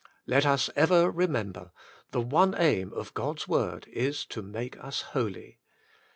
Let us ever remember, the one aim of God's word is to make us holy.